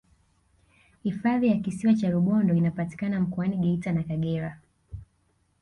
hifadhi ya kisiwa cha rubondo inapatikana mkoani geita na kagera